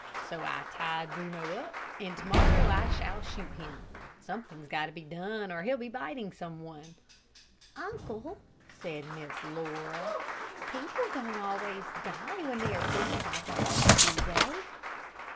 So I tied Bruno up, and to morrow I shall shoot him. Something's got to be done, or he'll be biting some one." "Uncle," said Miss Laura, "people don't always die when they are bitten by dogs, do they?"